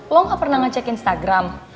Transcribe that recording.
lo gak pernah ngecek instagram